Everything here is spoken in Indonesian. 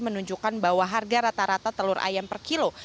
menunjukkan bahwa harga rata rata telur ayam per kilo